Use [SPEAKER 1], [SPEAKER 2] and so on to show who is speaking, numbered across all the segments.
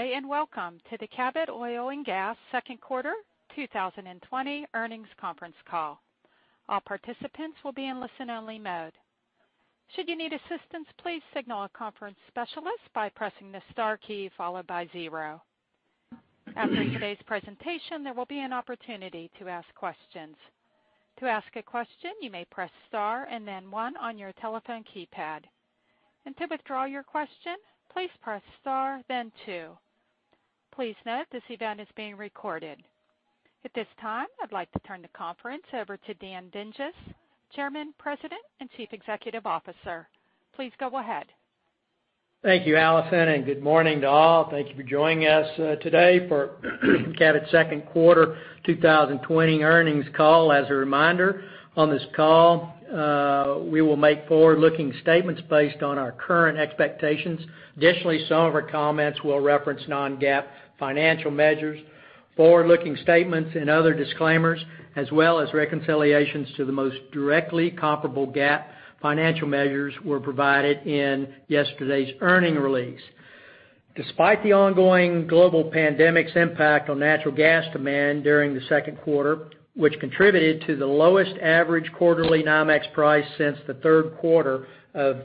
[SPEAKER 1] Good day, and welcome to the Cabot Oil & Gas second quarter 2020 earnings conference call. All participants will be in listen only mode. Should you need assistance, please signal a conference specialist by pressing the star key followed by zero. After today's presentation, there will be an opportunity to ask questions. To ask a question, you may press star and then one on your telephone keypad. To withdraw your question, please press star, then two. Please note, this event is being recorded. At this time, I'd like to turn the conference over to Dan Dinges, Chairman, President, and Chief Executive Officer. Please go ahead.
[SPEAKER 2] Thank you, Allison, good morning to all. Thank you for joining us today for Cabot's second quarter 2020 earnings call. As a reminder, on this call, we will make forward-looking statements based on our current expectations. Additionally, some of our comments will reference non-GAAP financial measures. Forward-looking statements and other disclaimers, as well as reconciliations to the most directly comparable GAAP financial measures were provided in yesterday's earnings release. Despite the ongoing global pandemic's impact on natural gas demand during the second quarter, which contributed to the lowest average quarterly NYMEX price since the third quarter of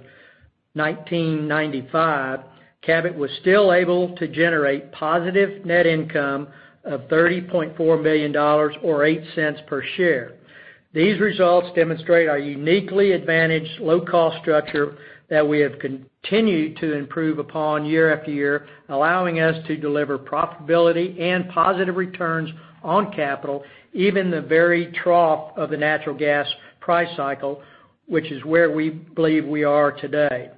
[SPEAKER 2] 1995, Cabot was still able to generate positive net income of $30.4 million, or $0.08 per share. These results demonstrate our uniquely advantaged low cost structure that we have continued to improve upon year after year, allowing us to deliver profitability and positive returns on capital, even the very trough of the natural gas price cycle, which is where we believe we are today.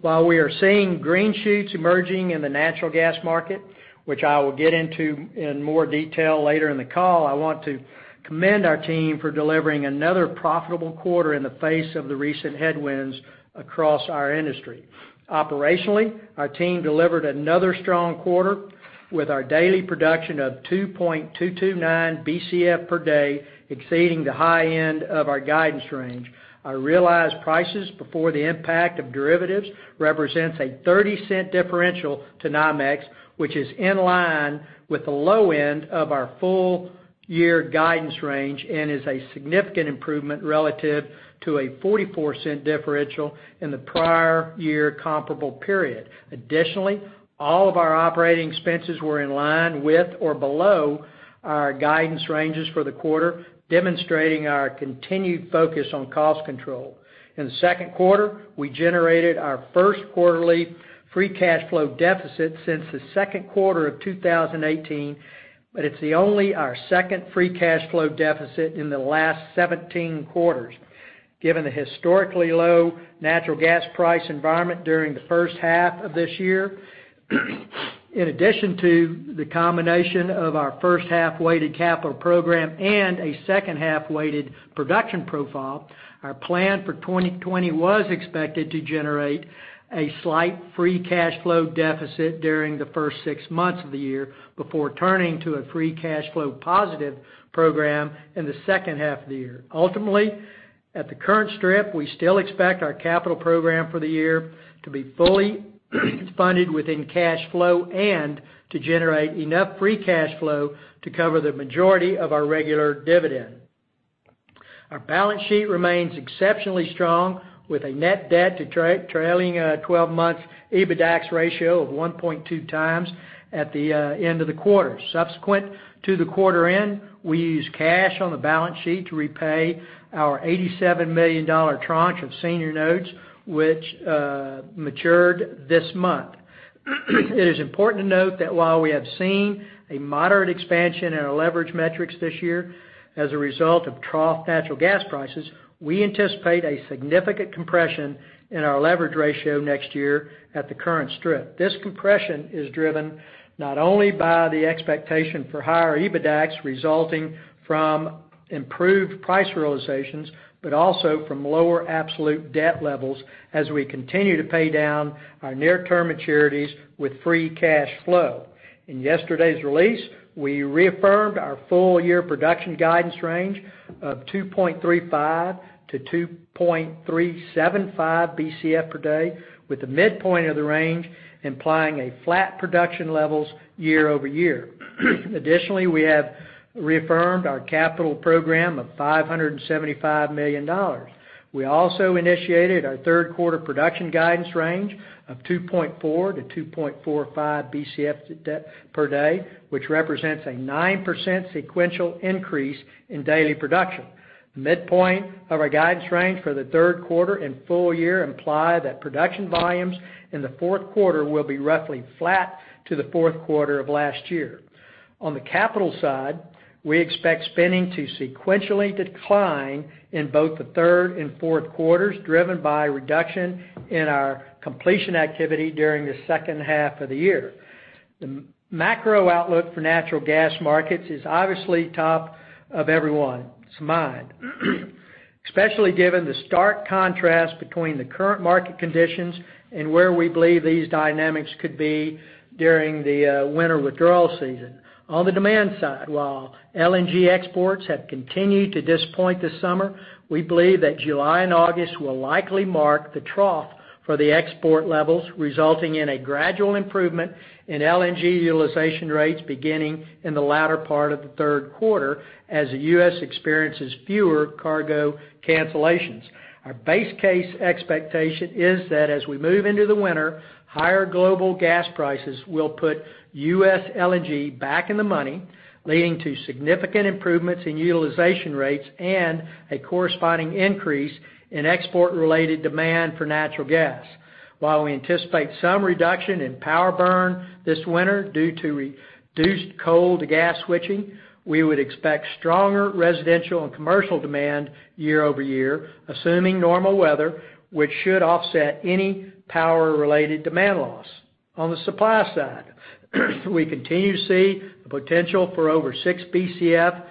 [SPEAKER 2] While we are seeing green shoots emerging in the natural gas market, which I will get into in more detail later in the call, I want to commend our team for delivering another profitable quarter in the face of the recent headwinds across our industry. Operationally, our team delivered another strong quarter with our daily production of 2.229 Bcf per day, exceeding the high end of our guidance range. Our realized prices before the impact of derivatives represents a $0.30 differential to NYMEX, which is in line with the low end of our full year guidance range and is a significant improvement relative to a $0.44 differential in the prior year comparable period. Additionally, all of our operating expenses were in line with or below our guidance ranges for the quarter, demonstrating our continued focus on cost control. In the second quarter, we generated our first quarterly free cash flow deficit since the second quarter of 2018, but it's only our second free cash flow deficit in the last 17 quarters. Given the historically low natural gas price environment during the first half of this year, in addition to the combination of our first half-weighted capital program and a second half-weighted production profile, our plan for 2020 was expected to generate a slight free cash flow deficit during the first six months of the year before turning to a free cash flow positive program in the second half of the year. Ultimately, at the current strip, we still expect our capital program for the year to be fully funded within cash flow and to generate enough free cash flow to cover the majority of our regular dividend. Our balance sheet remains exceptionally strong with a net debt to trailing 12 months EBITDAX ratio of 1.2x at the end of the quarter. Subsequent to the quarter end, we used cash on the balance sheet to repay our $87 million tranche of senior notes, which matured this month. It is important to note that while we have seen a moderate expansion in our leverage metrics this year as a result of trough natural gas prices, we anticipate a significant compression in our leverage ratio next year at the current strip. This compression is driven not only by the expectation for higher EBITDAX resulting from improved price realizations, but also from lower absolute debt levels as we continue to pay down our near term maturities with free cash flow. In yesterday's release, we reaffirmed our full year production guidance range of 2.35 to 2.375 Bcf per day, with the midpoint of the range implying a flat production levels year-over-year. Additionally, we have reaffirmed our capital program of $575 million. We also initiated our third quarter production guidance range of 2.4-2.45 Bcf per day, which represents a 9% sequential increase in daily production. Midpoint of our guidance range for the third quarter and full year imply that production volumes in the fourth quarter will be roughly flat to the fourth quarter of last year. On the capital side, we expect spending to sequentially decline in both the third and fourth quarters, driven by a reduction in our completion activity during the second half of the year. The macro outlook for natural gas markets is obviously top of everyone's mind. Especially given the stark contrast between the current market conditions and where we believe these dynamics could be during the winter withdrawal season. On the demand side, while LNG exports have continued to this point this summer, we believe that July and August will likely mark the trough for the export levels, resulting in a gradual improvement in LNG utilization rates beginning in the latter part of the third quarter, as the U.S. experiences fewer cargo cancellations. Our base case expectation is that as we move into the winter, higher global gas prices will put U.S. LNG back in the money, leading to significant improvements in utilization rates and a corresponding increase in export-related demand for natural gas. While we anticipate some reduction in power burn this winter due to reduced coal to gas switching, we would expect stronger residential and commercial demand year-over-year, assuming normal weather, which should offset any power-related demand loss. On the supply side, we continue to see the potential for over 6 Bcf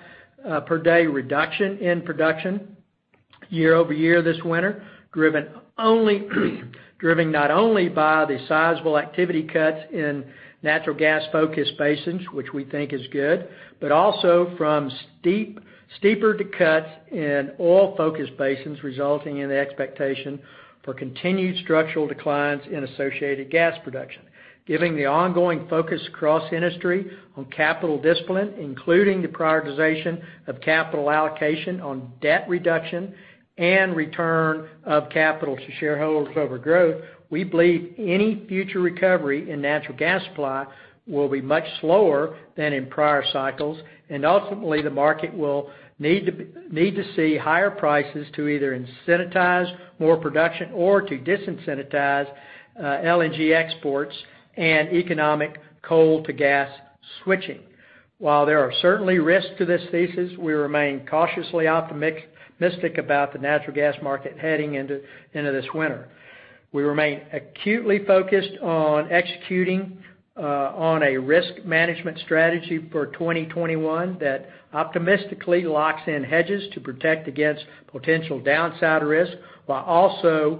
[SPEAKER 2] per day reduction in production year-over-year this winter, driven not only by the sizable activity cuts in natural gas-focused basins, which we think is good, but also from steeper cuts in oil-focused basins, resulting in the expectation for continued structural declines in associated gas production. Given the ongoing focus across the industry on capital discipline, including the prioritization of capital allocation on debt reduction and return of capital to shareholders over growth, we believe any future recovery in natural gas supply will be much slower than in prior cycles, and ultimately, the market will need to see higher prices to either incentivize more production or to disincentivize LNG exports and economic coal to gas switching. While there are certainly risks to this thesis, we remain cautiously optimistic about the natural gas market heading into this winter. We remain acutely focused on executing on a risk management strategy for 2021 that optimistically locks in hedges to protect against potential downside risks, while also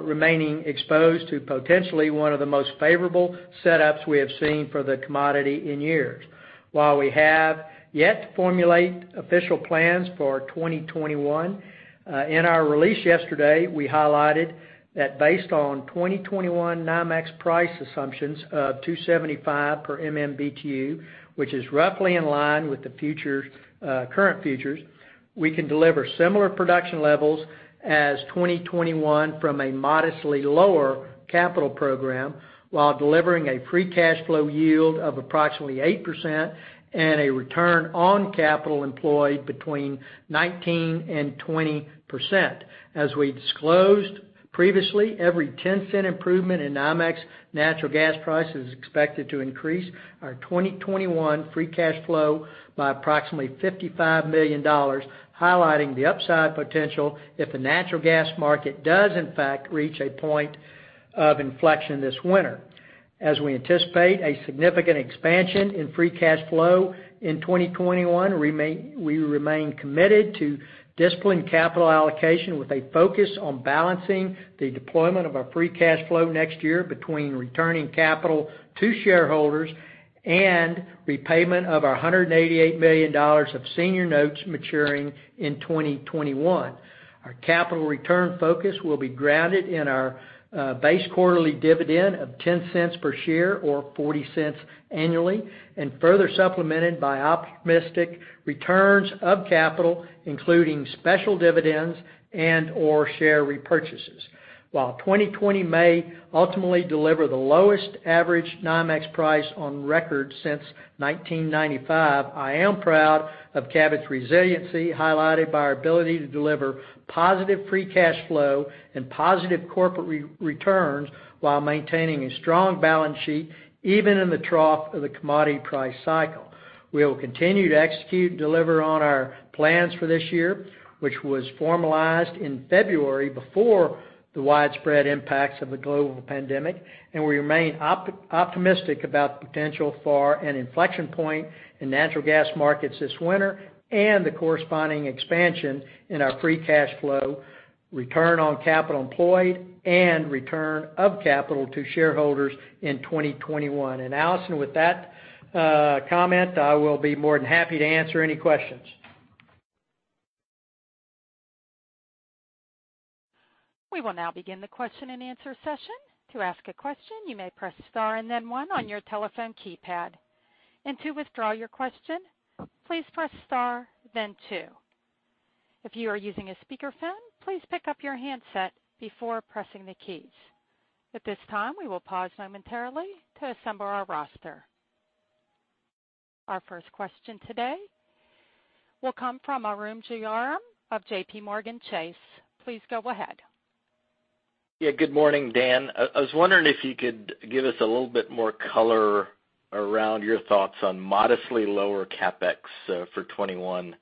[SPEAKER 2] remaining exposed to potentially one of the most favorable setups we have seen for the commodity in years. While we have yet to formulate official plans for 2021, in our release yesterday, we highlighted that based on 2021 NYMEX price assumptions of $2.75 per MMBtu, which is roughly in line with the current futures, we can deliver similar production levels as 2021 from a modestly lower capital program while delivering a free cash flow yield of approximately 8% and a return on capital employed between 19% and 20%. As we disclosed previously, every $0.01 improvement in NYMEX natural gas price is expected to increase our 2021 free cash flow by approximately $55 million, highlighting the upside potential if the natural gas market does in fact reach a point of inflection this winter. As we anticipate a significant expansion in free cash flow in 2021, we remain committed to disciplined capital allocation with a focus on balancing the deployment of our free cash flow next year between returning capital to shareholders and repayment of our $188 million of senior notes maturing in 2021. Our capital return focus will be grounded in our base quarterly dividend of $0.10 per share or $0.40 annually, and further supplemented by optimistic returns of capital, including special dividends and/or share repurchases. While 2020 may ultimately deliver the lowest average NYMEX price on record since 1995, I am proud of Cabot's resiliency, highlighted by our ability to deliver positive free cash flow and positive corporate returns while maintaining a strong balance sheet, even in the trough of the commodity price cycle. We will continue to execute and deliver on our plans for this year, which was formalized in February before the widespread impacts of the global pandemic, and we remain optimistic about the potential for an inflection point in natural gas markets this winter and the corresponding expansion in our free cash flow, return on capital employed, and return of capital to shareholders in 2021. Allison, with that comment, I will be more than happy to answer any questions.
[SPEAKER 1] We will now begin the question and answer session. To ask a question, you may press star and then one on your telephone keypad. To withdraw your question, please press star, then two. If you are using a speakerphone, please pick up your handset before pressing the keys. At this time, we will pause momentarily to assemble our roster. Our first question today will come from Arun Jayaram of JPMorgan Chase. Please go ahead.
[SPEAKER 3] Yeah. Good morning, Dan. I was wondering if you could give us a little bit more color around your thoughts on modestly lower CapEx for 2021.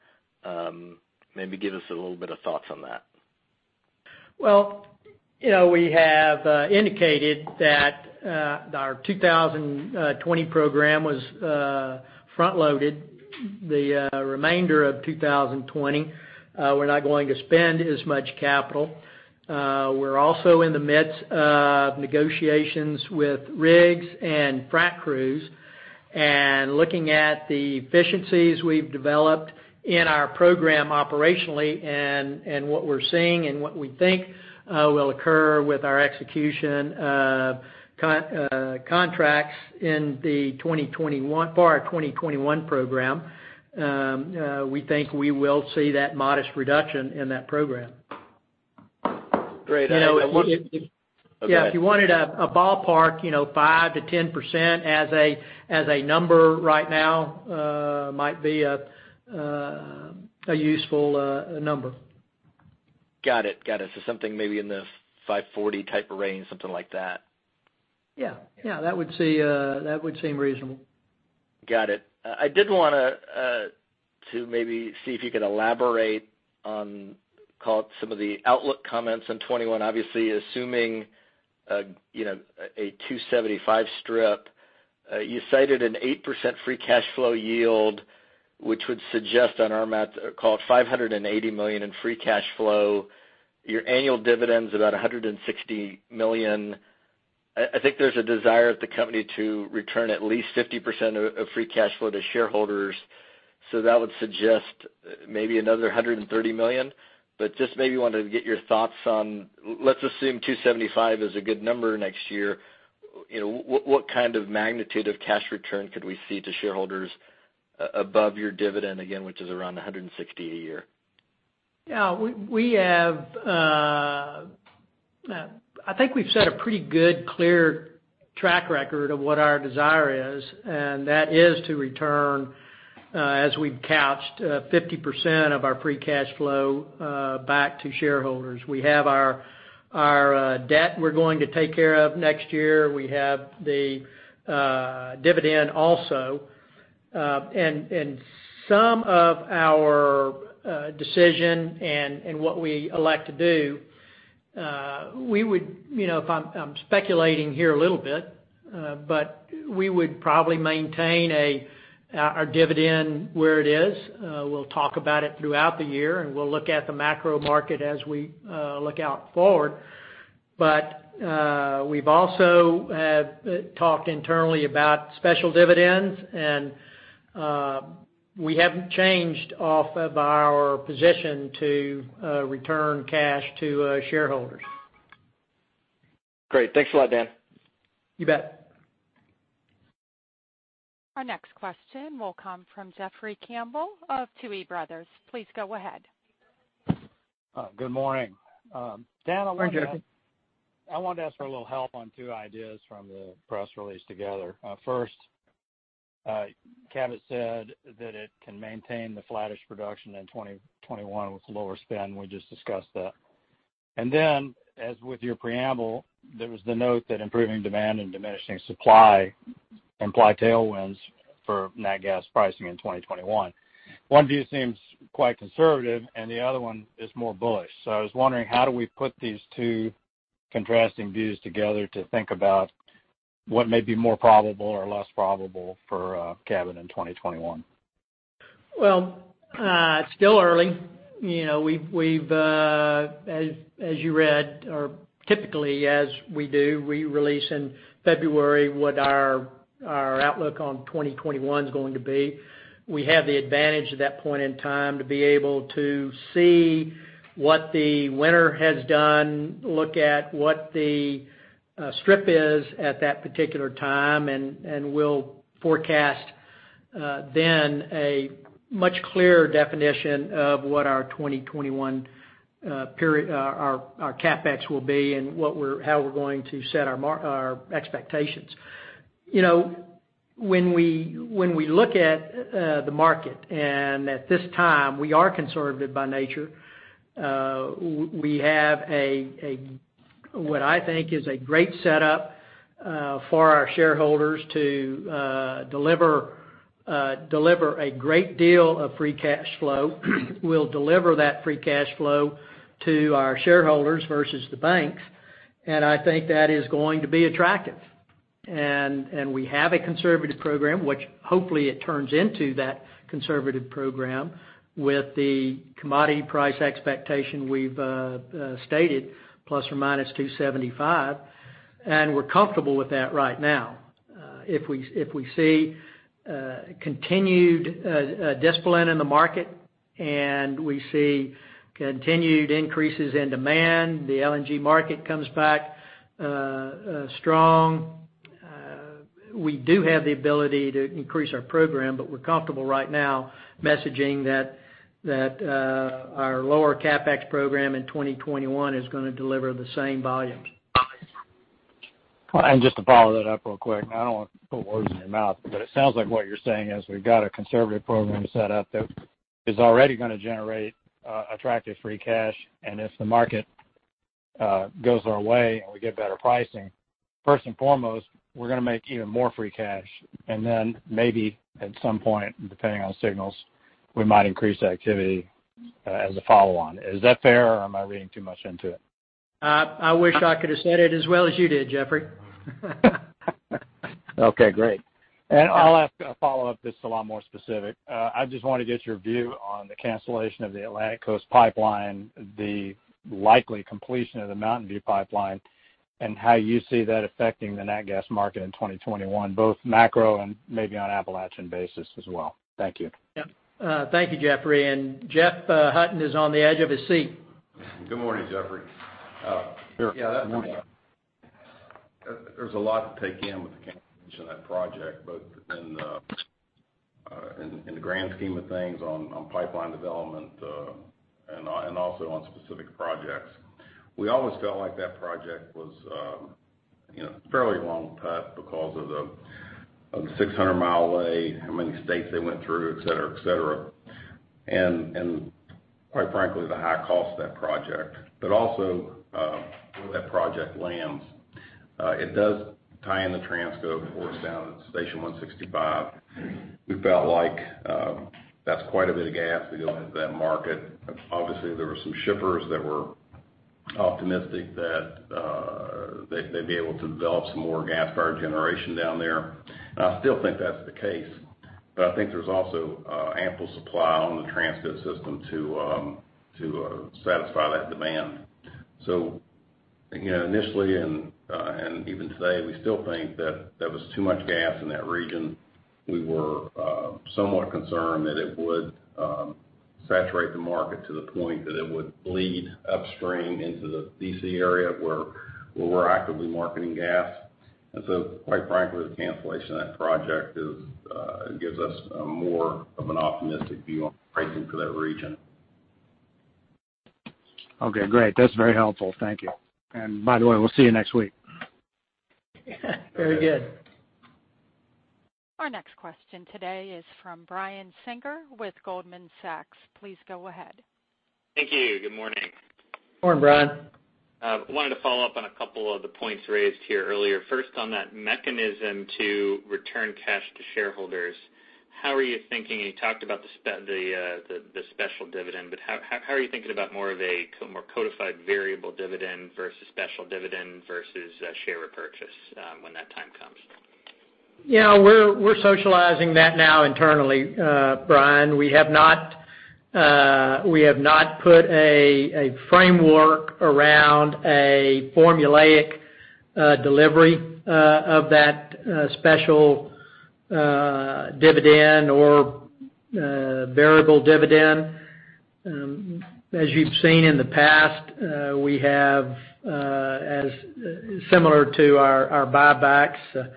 [SPEAKER 3] Maybe give us a little bit of thoughts on that.
[SPEAKER 2] Well, we have indicated that our 2020 program was front-loaded. The remainder of 2020, we're not going to spend as much capital. We're also in the midst of negotiations with rigs and frac crews, and looking at the efficiencies we've developed in our program operationally, and what we're seeing and what we think will occur with our execution of contracts for our 2021 program. We think we will see that modest reduction in that program.
[SPEAKER 3] Great.
[SPEAKER 2] If-
[SPEAKER 3] Okay.
[SPEAKER 2] Yeah, if you wanted a ballpark, 5%-10% as a number right now might be a useful number.
[SPEAKER 3] Got it. Something maybe in the 540 type of range, something like that.
[SPEAKER 2] Yeah. That would seem reasonable.
[SPEAKER 3] Got it. I did want to maybe see if you could elaborate on, call it some of the outlook comments on 2021, obviously assuming a $2.75 strip. You cited an 8% free cash flow yield, which would suggest on our math, call it $580 million in free cash flow. Your annual dividend's about $160 million. I think there's a desire at the company to return at least 50% of free cash flow to shareholders. That would suggest maybe another $130 million. Just maybe wanted to get your thoughts on, let's assume $2.75 is a good number next year. What kind of magnitude of cash return could we see to shareholders above your dividend, again, which is around $160 million a year?
[SPEAKER 2] I think we've set a pretty good, clear track record of what our desire is, and that is to return, as we've couched, 50% of our free cash flow back to shareholders. We have our debt we're going to take care of next year. We have the dividend also. Some of our decision and what we elect to do, I'm speculating here a little bit, but we would probably maintain our dividend where it is. We'll talk about it throughout the year, and we'll look at the macro market as we look out forward. We've also talked internally about special dividends, and we haven't changed off of our position to return cash to shareholders.
[SPEAKER 3] Great. Thanks a lot, Dan.
[SPEAKER 2] You bet.
[SPEAKER 1] Our next question will come from Jeffrey Campbell of Tuohy Brothers. Please go ahead.
[SPEAKER 4] Good morning. Dan.
[SPEAKER 2] Hi, Jeffrey.
[SPEAKER 4] I wanted to ask for a little help on two ideas from the press release together. First, Cabot said that it can maintain the flattish production in 2021 with lower spend. We just discussed that. As with your preamble, there was the note that improving demand and diminishing supply imply tailwinds for nat gas pricing in 2021. One view seems quite conservative, and the other one is more bullish. How do we put these two contrasting views together to think about what may be more probable or less probable for Cabot in 2021?
[SPEAKER 2] Well, it's still early. As you read, or typically as we do, we release in February what our outlook on 2021's going to be. We have the advantage at that point in time to be able to see what the winter has done, look at what the strip is at that particular time, and we'll forecast then a much clearer definition of what our 2021 CapEx will be and how we're going to set our expectations. When we look at the market, and at this time, we are conservative by nature. We have what I think is a great setup for our shareholders to deliver a great deal of free cash flow. We'll deliver that free cash flow to our shareholders versus the banks, and I think that is going to be attractive. We have a conservative program, which hopefully it turns into that conservative program with the commodity price expectation we've stated, ±275, and we're comfortable with that right now. If we see continued discipline in the market and we see continued increases in demand, the LNG market comes back strong, we do have the ability to increase our program. We're comfortable right now messaging that our lower CapEx program in 2021 is going to deliver the same volumes.
[SPEAKER 4] Just to follow that up real quick, and I don't want to put words in your mouth, but it sounds like what you're saying is we've got a conservative program set up that is already going to generate attractive free cash. If the market goes our way and we get better pricing, First and foremost, we're going to make even more free cash, and then maybe at some point, depending on signals, we might increase activity as a follow-on. Is that fair, or am I reading too much into it?
[SPEAKER 2] I wish I could've said it as well as you did, Jeffrey.
[SPEAKER 4] Okay, great. I'll ask a follow-up that's a lot more specific. I just wanted to get your view on the cancellation of the Atlantic Coast Pipeline, the likely completion of the Mountain Valley Pipeline, and how you see that affecting the nat gas market in 2021, both macro and maybe on Appalachian basis as well. Thank you.
[SPEAKER 2] Yeah. Thank you, Jeffrey. Jeff Hutton is on the edge of his seat.
[SPEAKER 5] Good morning, Jeffrey.
[SPEAKER 4] Sure. Good morning.
[SPEAKER 5] Yeah, there's a lot to take in with the cancellation of that project, both in the grand scheme of things on pipeline development and also on specific projects. We always felt like that project was on a fairly long path because of the 600-mile way, how many states they went through, et cetera. Quite frankly, the high cost of that project. Also, where that project lands. It does tie in the Transco before it's down at station 165. We felt like that's quite a bit of gas to go into that market. Obviously, there were some shippers that were optimistic that they'd be able to develop some more gas-fired generation down there. I still think that's the case. I think there's also ample supply on the Transco system to satisfy that demand. Initially and even today, we still think that there was too much gas in that region. We were somewhat concerned that it would saturate the market to the point that it would bleed upstream into the D.C. area where we're actively marketing gas. Quite frankly, the cancellation of that project gives us more of an optimistic view on pricing for that region.
[SPEAKER 4] Okay, great. That's very helpful. Thank you. By the way, we'll see you next week.
[SPEAKER 2] Very good.
[SPEAKER 1] Our next question today is from Brian Singer with Goldman Sachs. Please go ahead.
[SPEAKER 6] Thank you. Good morning.
[SPEAKER 2] Morning, Brian.
[SPEAKER 6] I wanted to follow up on a couple of the points raised here earlier. First, on that mechanism to return cash to shareholders, You talked about the special dividend, but how are you thinking about more of a codified variable dividend versus special dividend versus share repurchase when that time comes?
[SPEAKER 2] Yeah. We're socializing that now internally, Brian. We have not put a framework around a formulaic delivery of that special dividend or variable dividend. As you've seen in the past, we have, similar to our buybacks,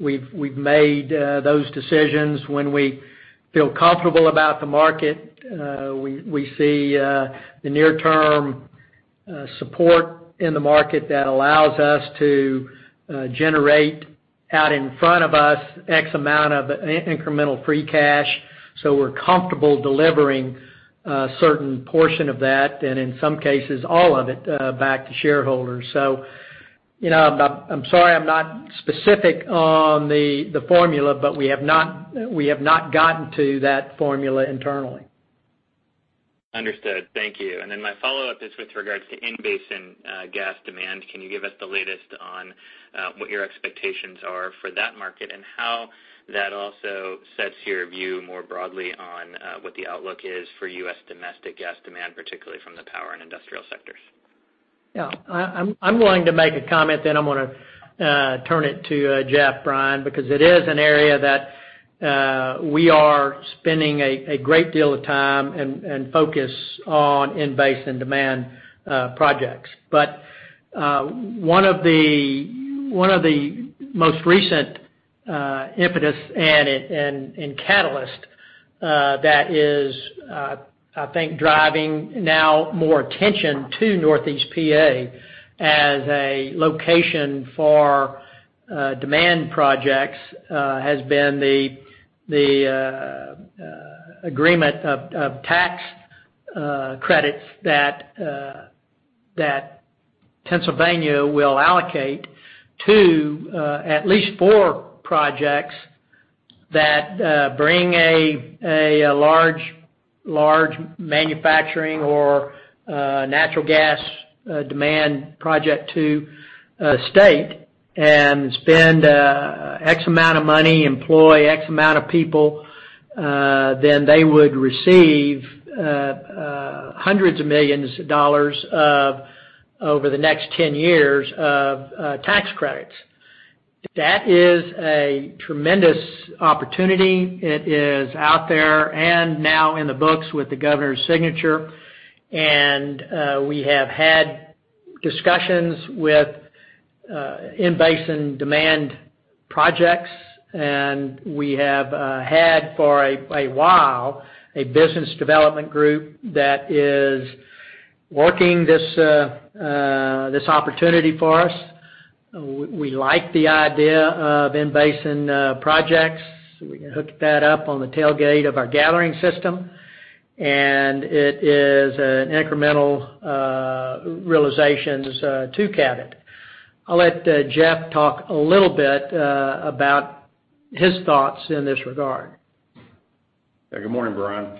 [SPEAKER 2] we've made those decisions when we feel comfortable about the market. We see the near-term support in the market that allows us to generate out in front of us X amount of incremental free cash. We're comfortable delivering a certain portion of that, and in some cases, all of it, back to shareholders. I'm sorry I'm not specific on the formula. We have not gotten to that formula internally.
[SPEAKER 6] Understood. Thank you. My follow-up is with regards to in-basin gas demand. Can you give us the latest on what your expectations are for that market and how that also sets your view more broadly on what the outlook is for U.S. domestic gas demand, particularly from the power and industrial sectors?
[SPEAKER 2] Yeah. I'm going to make a comment, then I'm going to turn it to Jeff, Brian, because it is an area that we are spending a great deal of time and focus on in-basin demand projects. One of the most recent impetus and catalyst that is, I think, driving now more attention to Northeast P.A. as a location for demand projects, has been the agreement of tax credits that Pennsylvania will allocate to at least four projects that bring a large manufacturing or natural gas demand project to the state and spend X amount of money, employ X amount of people, then they would receive hundreds of millions of dollars over the next 10 years of tax credits. That is a tremendous opportunity. It is out there and now in the books with the governor's signature. We have had discussions with in-basin demand projects. We have had for a while, a business development group that is working this opportunity for us. We like the idea of in-basin projects. We can hook that up on the tailgate of our gathering system. It is an incremental realization to Cabot. I'll let Jeff talk a little bit about his thoughts in this regard.
[SPEAKER 5] Good morning, Brian.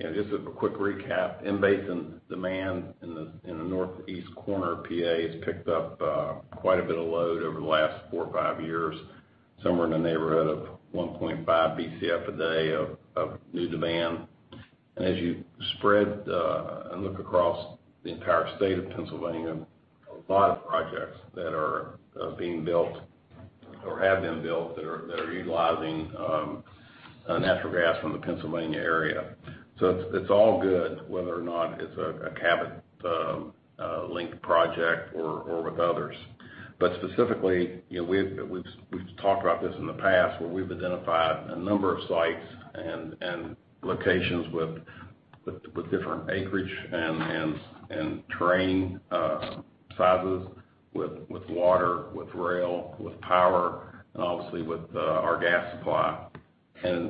[SPEAKER 5] Just a quick recap. In-basin demand in the northeast corner of PA has picked up quite a bit of load over the last four or five years, somewhere in the neighborhood of 1.5 Bcf a day of new demand. As you spread and look across the entire state of Pennsylvania, a lot of projects that are being built or have been built that are utilizing natural gas from the Pennsylvania area. It's all good whether or not it's a Cabot-linked project or with others. Specifically, we've talked about this in the past where we've identified a number of sites and locations with different acreage and terrain sizes, with water, with rail, with power, and obviously with our gas supply.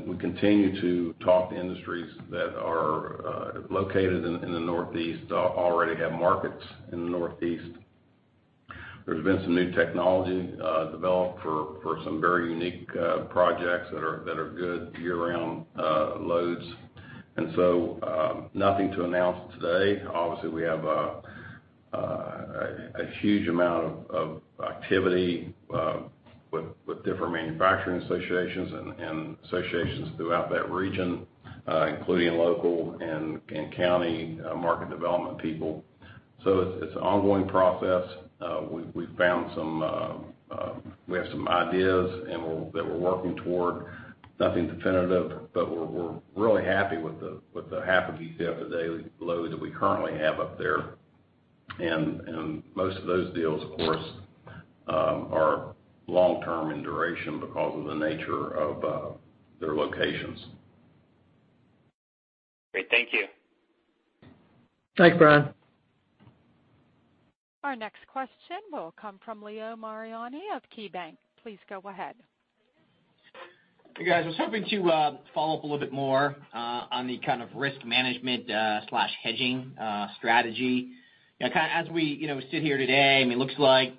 [SPEAKER 5] We continue to talk to industries that are located in the northeast, already have markets in the northeast. There's been some new technology developed for some very unique projects that are good year-round loads. Nothing to announce today. Obviously, we have a huge amount of activity with different manufacturing associations and associations throughout that region, including local and county market development people. It's an ongoing process. We have some ideas that we're working toward. Nothing definitive, but we're really happy with the half a Bcf a day load that we currently have up there. Most of those deals, of course, are long-term in duration because of the nature of their locations.
[SPEAKER 6] Great. Thank you.
[SPEAKER 2] Thanks, Brian.
[SPEAKER 1] Our next question will come from Leo Mariani of KeyBank. Please go ahead.
[SPEAKER 7] Hey, guys. I was hoping to follow up a little bit more on the kind of risk management/hedging strategy. As we sit here today, it looks like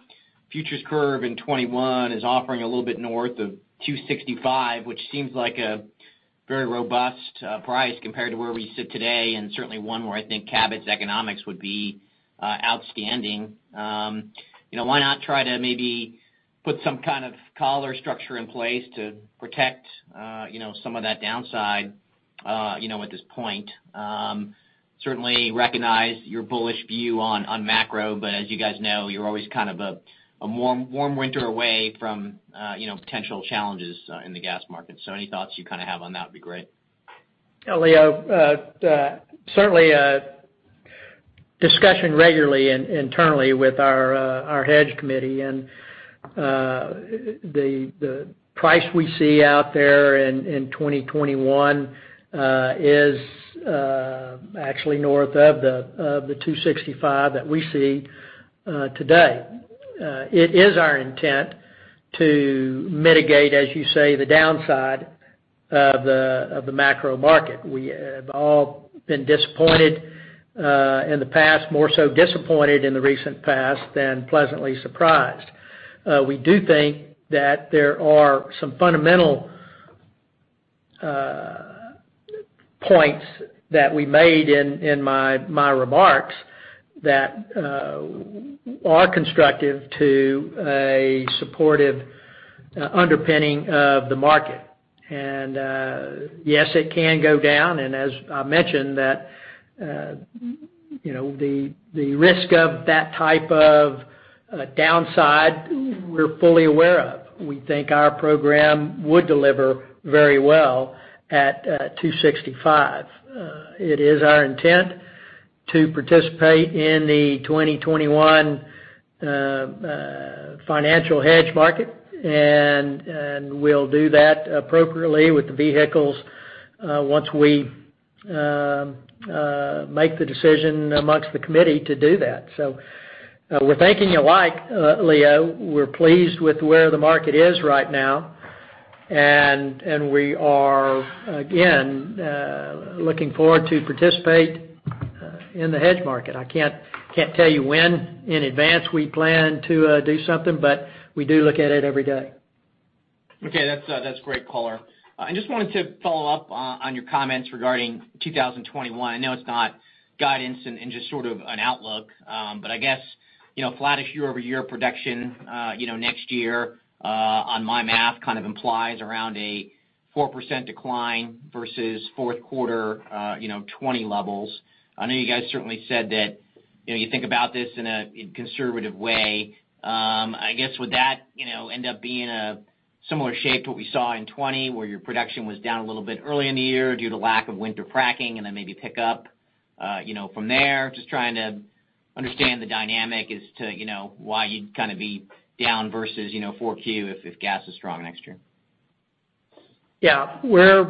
[SPEAKER 7] futures curve in 2021 is offering a little bit north of $2.65, which seems like a very robust price compared to where we sit today, and certainly one where I think Cabot's economics would be outstanding. Why not try to maybe put some kind of collar structure in place to protect some of that downside at this point? Certainly recognize your bullish view on macro, as you guys know, you're always kind of a warm winter away from potential challenges in the gas market. Any thoughts you have on that would be great.
[SPEAKER 2] Leo, certainly a discussion regularly internally with our hedge committee. The price we see out there in 2021 is actually north of the $2.65 that we see today. It is our intent to mitigate, as you say, the downside of the macro market. We have all been disappointed in the past, more so disappointed in the recent past than pleasantly surprised. We do think that there are some fundamental points that we made in my remarks that are constructive to a supportive underpinning of the market. Yes, it can go down, and as I mentioned, the risk of that type of downside, we're fully aware of. We think our program would deliver very well at $2.65. It is our intent to participate in the 2021 financial hedge market, and we'll do that appropriately with the vehicles once we make the decision amongst the committee to do that. We're thinking alike, Leo. We're pleased with where the market is right now, and we are, again, looking forward to participate in the hedge market. I can't tell you when in advance we plan to do something, but we do look at it every day.
[SPEAKER 7] Okay. That's great color. I just wanted to follow up on your comments regarding 2021. I know it's not guidance and just sort of an outlook. I guess, flattish year-over-year production next year, on my math, kind of implies around a 4% decline versus fourth quarter 2020 levels. I know you guys certainly said that you think about this in a conservative way. I guess, would that end up being a similar shape to what we saw in 2020, where your production was down a little bit early in the year due to lack of winter fracking and then maybe pick up from there? Just trying to understand the dynamic as to why you'd kind of be down versus 4Q if gas is strong next year.
[SPEAKER 2] Yeah.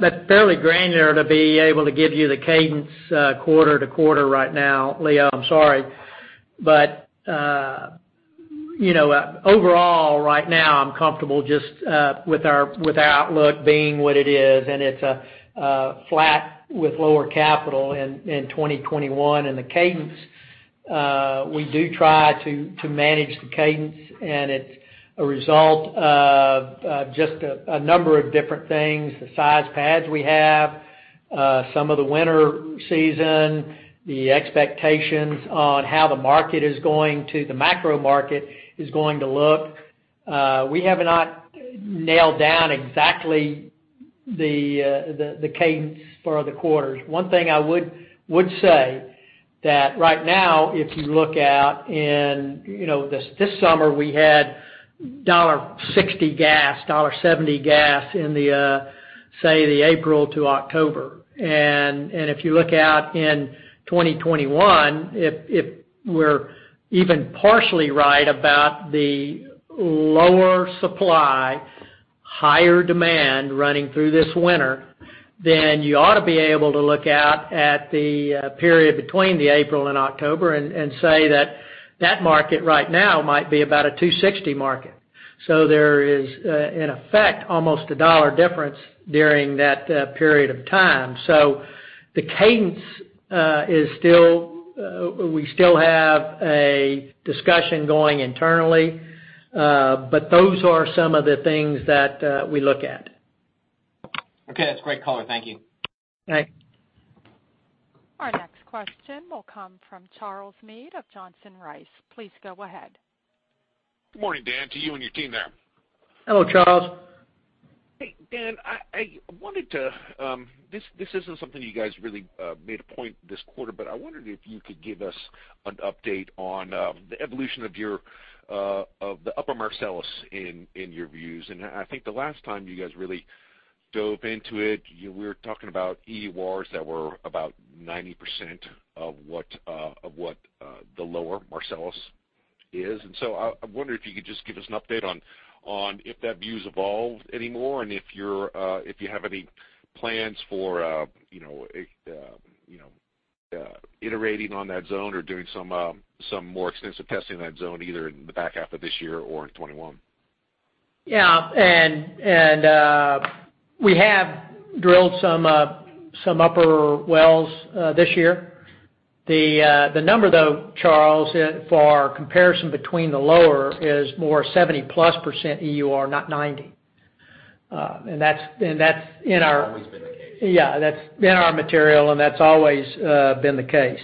[SPEAKER 2] That's fairly granular to be able to give you the cadence quarter to quarter right now, Leo. I'm sorry. Overall, right now I'm comfortable just with our outlook being what it is, and it's flat with lower capital in 2021. The cadence, we do try to manage the cadence, and it's a result of just a number of different things, the size pads we have, some of the winter season, the expectations on how the market is going to, the macro market, is going to look. We have not nailed down exactly the cadence for the quarters. One thing I would say, that right now, if you look out in this summer we had $1.60 gas, $1.70 gas in the, say, the April to October. If you look out in 2021, if we're even partially right about the lower supply, higher demand running through this winter, then you ought to be able to look out at the period between the April and October and say that that market right now might be about a $2.60 market. There is, in effect, almost a $1 difference during that period of time. The cadence, we still have a discussion going internally, but those are some of the things that we look at.
[SPEAKER 7] Okay. That's great, Color. Thank you.
[SPEAKER 2] Okay.
[SPEAKER 1] Our next question will come from Charles Meade of Johnson Rice. Please go ahead.
[SPEAKER 8] Good morning, Dan, to you and your team there.
[SPEAKER 2] Hello, Charles.
[SPEAKER 8] Hey, Dan. This isn't something you guys really made a point this quarter, but I wondered if you could give us an update on the evolution of the Upper Marcellus in your views. I think the last time you guys really dove into it, you were talking about EURs that were about 90% of what the Lower Marcellus is. I wonder if you could just give us an update on if that view's evolved anymore, and if you have any plans for iterating on that zone or doing some more extensive testing in that zone, either in the back half of this year or in 2021.
[SPEAKER 2] Yeah. We have drilled some Upper wells this year. The number though, Charles, for comparison between the Lower is more 70%+ EUR, not 90.
[SPEAKER 9] Always been the case.
[SPEAKER 2] Yeah, that's in our material, and that's always been the case.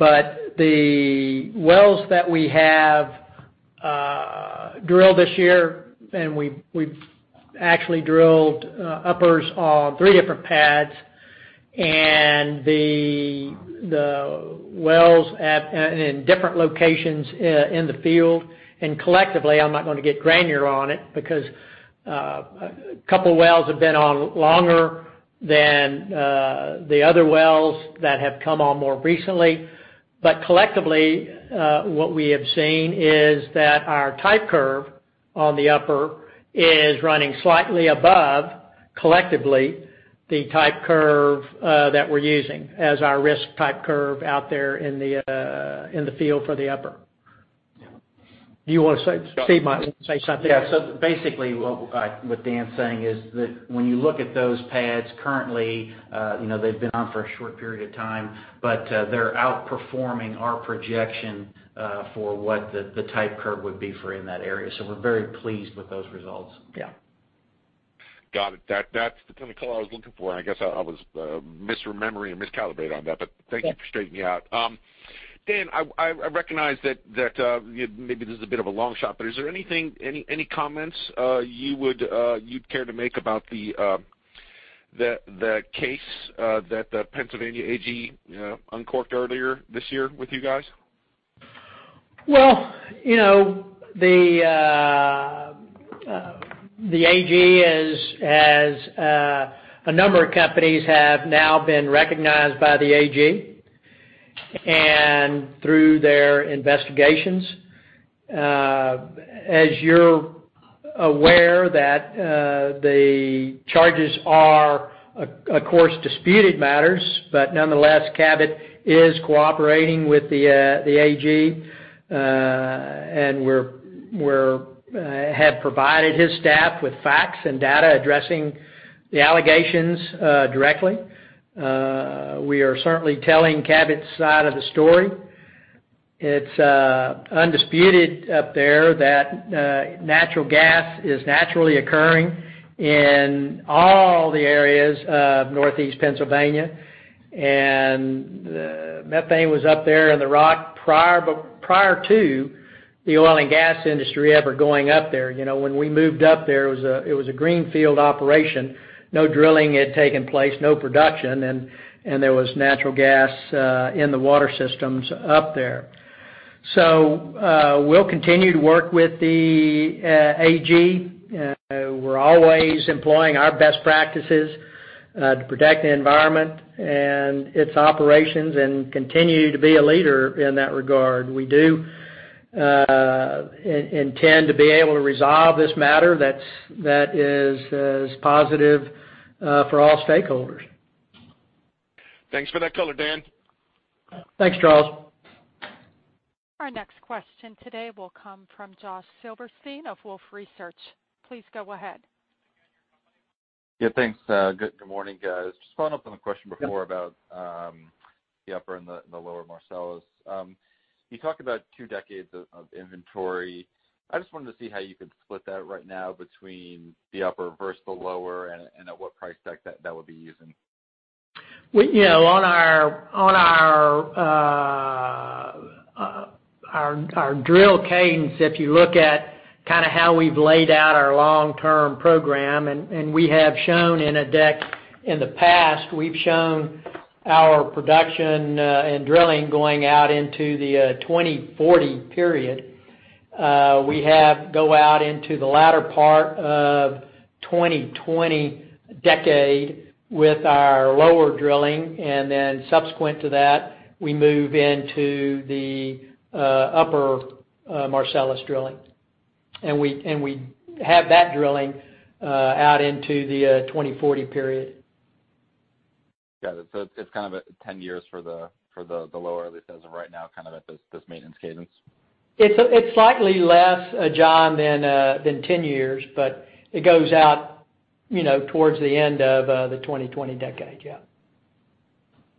[SPEAKER 2] The wells that we have drilled this year, and we've actually drilled Uppers on three different pads, and the wells in different locations in the field, and collectively, I'm not going to get granular on it because a couple wells have been on longer than the other wells that have come on more recently. Collectively, what we have seen is that our type curve on the Upper is running slightly above, collectively, the type curve that we're using as our risk type curve out there in the field for the Upper.
[SPEAKER 9] Yeah.
[SPEAKER 2] Do you want to say, Steven, say something?
[SPEAKER 9] Basically, what Dan's saying is that when you look at those pads currently, they've been on for a short period of time, but they're outperforming our projection for what the type curve would be for in that area. We're very pleased with those results.
[SPEAKER 2] Yeah.
[SPEAKER 8] Got it. That's the kind of call I was looking for, and I guess I was misremembering or miscalibrated on that, but thank you for straightening me out. Dan, I recognize that maybe this is a bit of a long shot, but is there any comments you'd care to make about the case that the Pennsylvania AG uncorked earlier this year with you guys?
[SPEAKER 2] The AG, as a number of companies have now been recognized by the AG, and through their investigations. As you're aware that the charges are, of course, disputed matters, but nonetheless, Cabot is cooperating with the AG, and have provided his staff with facts and data addressing the allegations directly. We are certainly telling Cabot's side of the story. It's undisputed up there that natural gas is naturally occurring in all the areas of Northeast Pennsylvania, and methane was up there in the rock prior to the oil and gas industry ever going up there. When we moved up there, it was a greenfield operation. No drilling had taken place, no production, and there was natural gas in the water systems up there. We'll continue to work with the AG. We're always employing our best practices to protect the environment and its operations and continue to be a leader in that regard. We do intend to be able to resolve this matter that is positive for all stakeholders.
[SPEAKER 8] Thanks for that color, Dan.
[SPEAKER 2] Thanks, Charles.
[SPEAKER 1] Our next question today will come from Josh Silverstein of Wolfe Research. Please go ahead.
[SPEAKER 10] Yeah, thanks. Good morning, guys. Just following up on the question before about the Upper and the Lower Marcellus. You talked about two decades of inventory. I just wanted to see how you could split that right now between the Upper versus the Lower, and at what price deck that would be using.
[SPEAKER 2] On our drill cadence, if you look at how we've laid out our long-term program, and we have shown in a deck in the past, we've shown our production and drilling going out into the 2040 period. We have go out into the latter part of 2020 decade with our Lower Marcellus drilling, then subsequent to that, we move into the Upper Marcellus drilling. We have that drilling out into the 2040 period.
[SPEAKER 10] Got it. It's kind of a 10 years for the Lower, at least as of right now, kind of at this maintenance cadence.
[SPEAKER 2] It's slightly less, Josh, than 10 years, but it goes out towards the end of the 2020 decade. Yeah.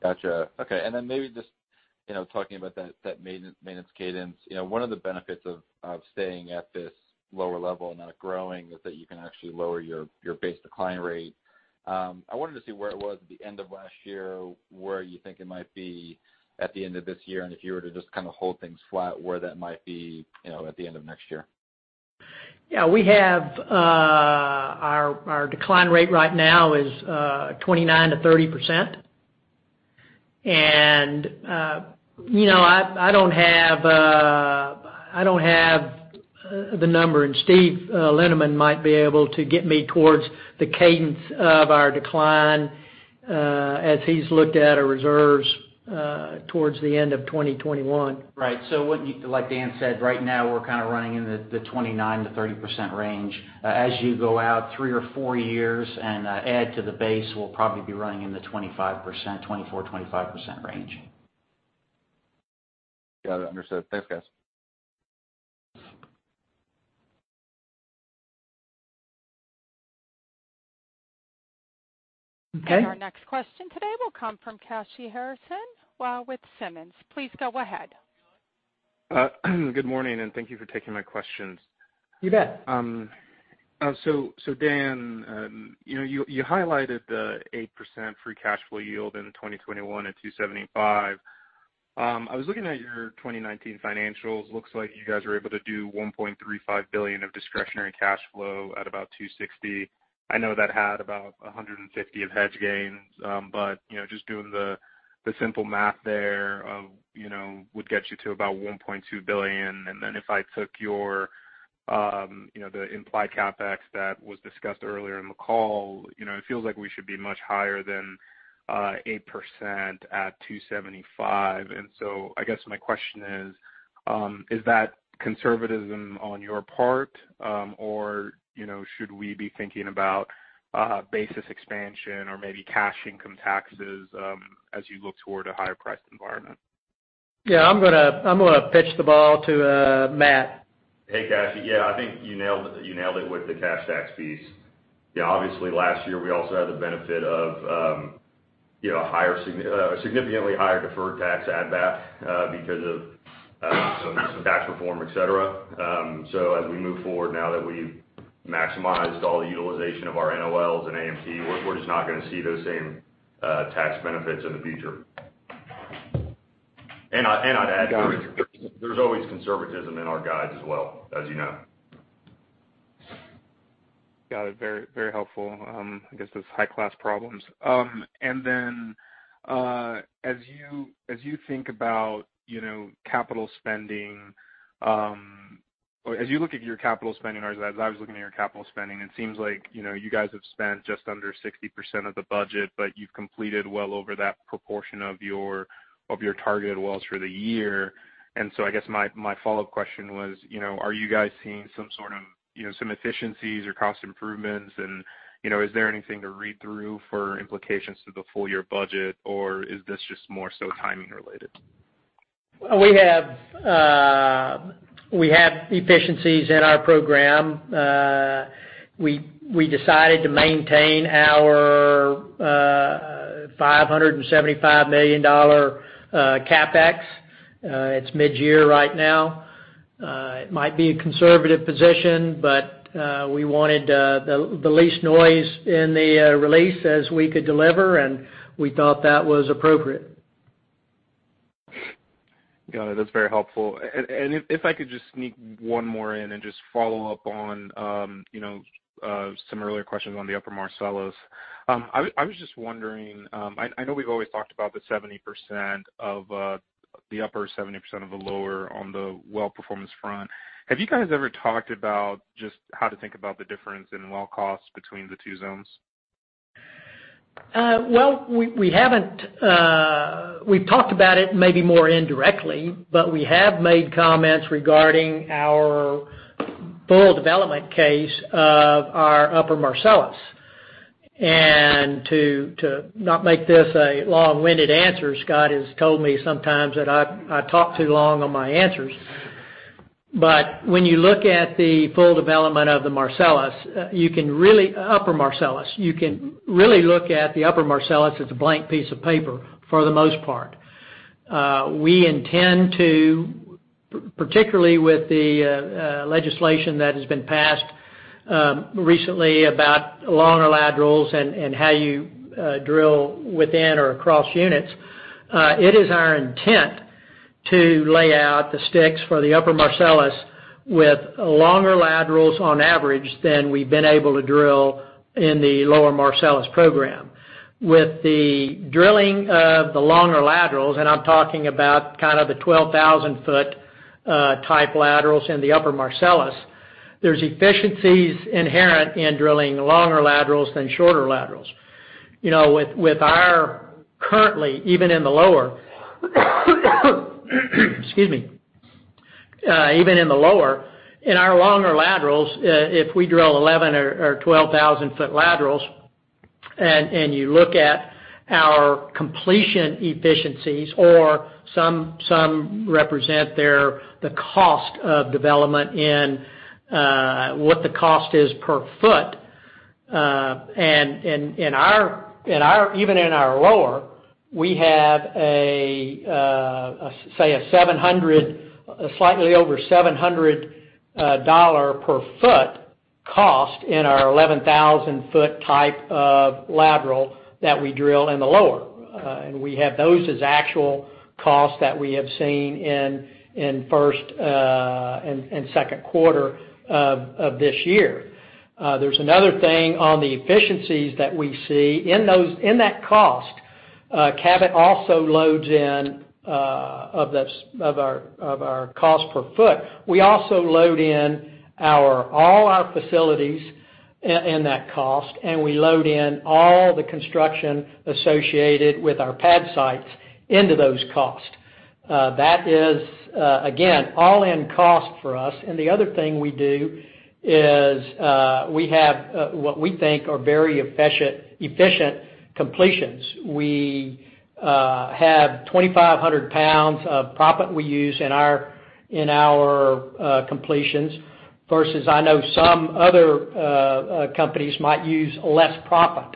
[SPEAKER 10] Got you. Okay. Maybe just talking about that maintenance cadence. One of the benefits of staying at this lower level and not growing is that you can actually lower your base decline rate. I wanted to see where it was at the end of last year, where you think it might be at the end of this year, and if you were to just kind of hold things flat, where that might be at the end of next year.
[SPEAKER 2] Yeah. Our decline rate right now is 29%-30%. I don't have the number, and Steven Lindeman might be able to get me towards the cadence of our decline, as he's looked at our reserves towards the end of 2021.
[SPEAKER 9] Right. Like Dan said, right now, we're kind of running in the 29%-30% range. As you go out three or four years and add to the base, we'll probably be running in the 24%-25% range.
[SPEAKER 10] Got it. Understood. Thanks, guys.
[SPEAKER 2] Okay.
[SPEAKER 1] Our next question today will come from Kashy Harrison with Simmons. Please go ahead.
[SPEAKER 11] Good morning, thank you for taking my questions.
[SPEAKER 2] You bet.
[SPEAKER 11] Dan, you highlighted the 8% free cash flow yield in 2021 at 275. I was looking at your 2019 financials. Looks like you guys were able to do $1.35 billion of discretionary cash flow at about $2.60. I know that had about 150 of hedge gains. Just doing the simple math there would get you to about $1.2 billion. Then if I took the implied CapEx that was discussed earlier in the call, it feels like we should be much higher than 8% at 275. I guess my question is that conservatism on your part? Should we be thinking about basis expansion or maybe cash income taxes as you look toward a higher priced environment?
[SPEAKER 2] Yeah, I'm going to pitch the ball to Matt.
[SPEAKER 12] Hey, Kashy. Yeah, I think you nailed it with the cash tax piece. Obviously last year, we also had the benefit of significantly higher deferred tax add back because of some tax reform, et cetera. As we move forward, now that we've maximized all the utilization of our NOLs and AMT, we're just not going to see those same tax benefits in the future. I'd add, there's always conservatism in our guides as well, as you know.
[SPEAKER 11] Got it. Very helpful. I guess those high class problems. As you look at your capital spending, or as I was looking at your capital spending, it seems like you guys have spent just under 60% of the budget, but you've completed well over that proportion of your targeted wells for the year. I guess my follow-up question was, are you guys seeing some efficiencies or cost improvements? Is there anything to read through for implications to the full year budget, or is this just more so timing related?
[SPEAKER 2] We have efficiencies in our program. We decided to maintain our $575 million CapEx. It's mid-year right now. It might be a conservative position, but we wanted the least noise in the release as we could deliver, and we thought that was appropriate.
[SPEAKER 11] Got it. That's very helpful. If I could just sneak one more in and just follow up on some earlier questions on the Upper Marcellus. I was just wondering, I know we've always talked about the Upper 70% of the Lower on the well performance front. Have you guys ever talked about just how to think about the difference in well costs between the two zones?
[SPEAKER 2] Well, we've talked about it maybe more indirectly, but we have made comments regarding our full development case of our Upper Marcellus. To not make this a long-winded answer, Scott has told me sometimes that I talk too long on my answers. When you look at the full development of the Marcellus, Upper Marcellus, you can really look at the Upper Marcellus as a blank piece of paper for the most part. We intend to, particularly with the legislation that has been passed recently about longer laterals and how you drill within or across units. It is our intent to lay out the sticks for the Upper Marcellus with longer laterals on average than we've been able to drill in the Lower Marcellus program. With the drilling of the longer laterals, and I'm talking about kind of the 12,000 ft type laterals in the Upper Marcellus, there's efficiencies inherent in drilling longer laterals than shorter laterals. With our currently, even in the lower, in our longer laterals, if we drill 11,000 ft or 12,000 ft laterals, you look at our completion efficiencies or some represent the cost of development and what the cost is per foot. Even in our lower, we have, say slightly over $700 per foot cost in our 11,000 ft type of lateral that we drill in the lower. We have those as actual costs that we have seen in first and second quarter of this year. There's another thing on the efficiencies that we see in that cost. Cabot also loads in of our cost per foot. We also load in all our facilities in that cost, we load in all the construction associated with our pad sites into those costs. That is, again, all in cost for us. The other thing we do is, we have what we think are very efficient completions. We have 2,500 pounds of proppant we use in our completions, versus I know some other companies might use less proppant,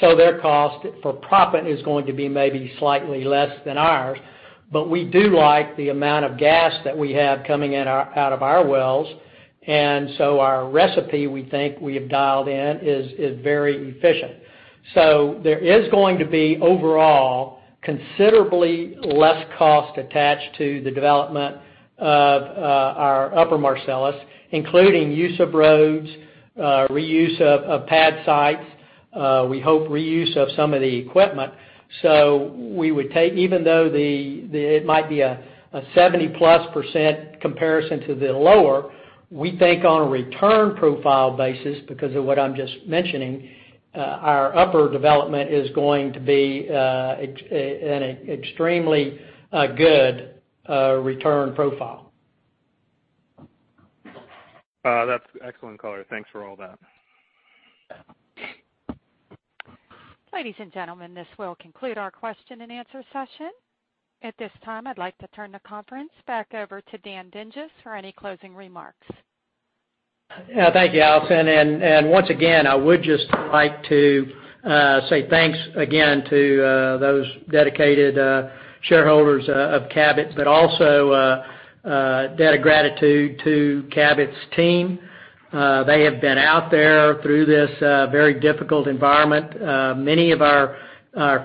[SPEAKER 2] their cost for proppant is going to be maybe slightly less than ours. We do like the amount of gas that we have coming out of our wells. Our recipe we think we have dialed in is very efficient. There is going to be overall considerably less cost attached to the development of our Upper Marcellus, including use of roads, reuse of pad sites, we hope reuse of some of the equipment. Even though it might be a 70%+ comparison to the Lower, we think on a return profile basis, because of what I'm just mentioning, our Upper development is going to be an extremely good return profile.
[SPEAKER 11] That's excellent, Color. Thanks for all that.
[SPEAKER 1] Ladies and gentlemen, this will conclude our question and answer session. At this time, I'd like to turn the conference back over to Dan Dinges for any closing remarks.
[SPEAKER 2] Yeah, thank you, Allison. Once again, I would just like to say thanks again to those dedicated shareholders of Cabot, but also a debt of gratitude to Cabot's team. They have been out there through this very difficult environment. Many of our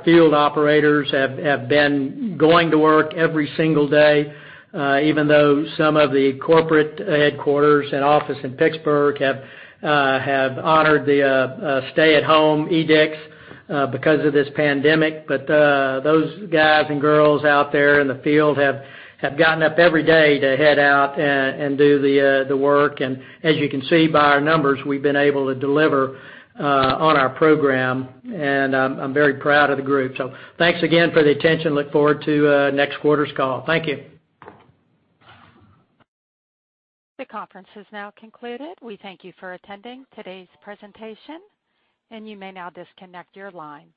[SPEAKER 2] field operators have been going to work every single day, even though some of the corporate headquarters and office in Pittsburgh have honored the stay-at-home edicts because of this pandemic. Those guys and girls out there in the field have gotten up every day to head out and do the work. As you can see by our numbers, we've been able to deliver on our program, and I'm very proud of the group. Thanks again for the attention. Look forward to next quarter's call. Thank you.
[SPEAKER 1] The conference has now concluded. We thank you for attending today's presentation, and you may now disconnect your lines.